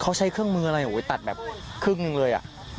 เขาใช้เครื่องมืออะไรตัดแบบครึ่งหนึ่งเลย